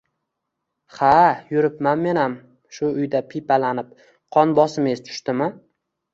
Haa, yuripman menam shu uyda piypalanib, qon bosimiz tushdimi?